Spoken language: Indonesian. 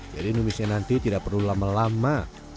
jadi numisnya nanti tidak perlu lama lama